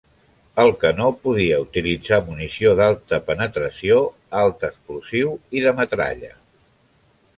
El canó podia utilitzar munició d'Alta Penetració Alt Explosiu i de metralla.